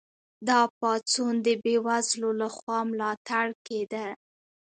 دا پاڅون د بې وزلو لخوا ملاتړ کیده.